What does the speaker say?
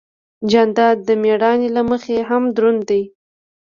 جانداد د مېړانې له مخې هم دروند دی.